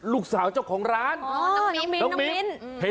ลูกสาวเจ้าของร้านอ๋อน้องมิ้นน้องมิ้นน้องมิ้น